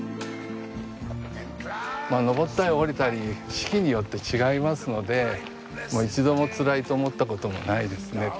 登ったり下りたり四季によって違いますので一度もつらいと思ったこともないですね。